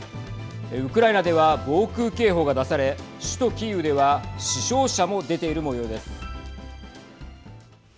ウクライナでは防空警報が出され首都キーウでは死傷者も出ているもようです。